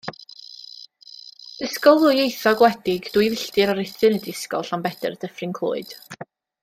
Ysgol ddwyieithog, wledig dwy filltir o Ruthun ydy Ysgol Llanbedr Dyffryn Clwyd.